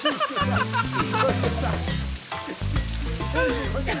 アハハハ！